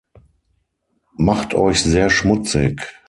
Macht euch sehr schmutzig.